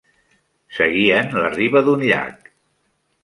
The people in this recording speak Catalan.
Seguien la riba d'un llac.